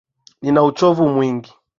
Nina uchovu mwingi.